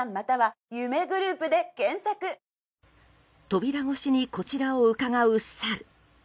扉越しにこちらをうかがうサル。